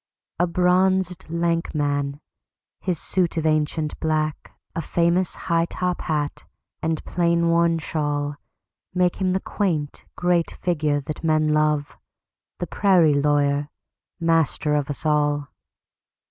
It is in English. A bronzed, lank man! His suit of ancient black,A famous high top hat and plain worn shawlMake him the quaint great figure that men love, The prairie lawyer, master of us all.